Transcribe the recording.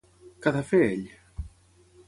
Què ha de fer ell?